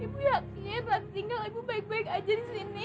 ibu yakin tinggal ibu baik baik aja di sini